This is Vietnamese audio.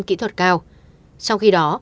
kỹ thuật cao trong khi đó